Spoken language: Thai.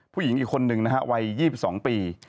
ผู้หญิงอีกคนหนึ่งวัย๒๒ปี